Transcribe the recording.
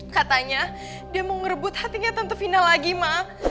katanya dia mau ngerebut hatinya tante final lagi ma